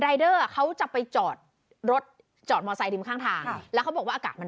เดอร์เขาจะไปจอดรถจอดมอไซคริมข้างทางแล้วเขาบอกว่าอากาศมัน